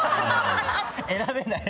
選べない。